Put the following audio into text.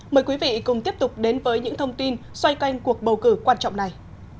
mời quý vị cùng tiếp tục đến với những thông tin xoay canh cuộc bầu cử quan trọng này